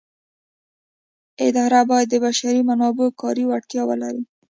اداره باید د بشري منابعو کاري وړتیاوې ولري.